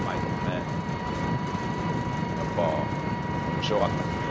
うんやっぱ面白かったですね。